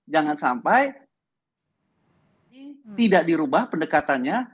jangan sampai tidak dirubah pendekatannya